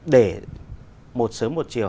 để một sớm một chiều